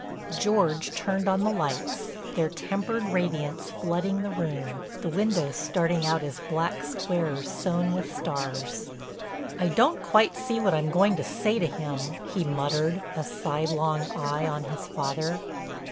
George turned on the lights, their tempered radiance flooding the room, the windows starting out as black squares sewn with stars. "I don't quite see what I'm going to say to him," he muttered, a sidelong eye on his father.